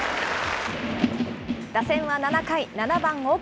打線は７回、７番岡。